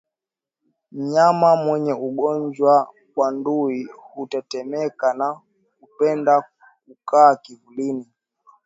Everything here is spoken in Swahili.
Mnyama mwenye ugonjwa wa ndui hutetemeka na kupenda kukaa kivulini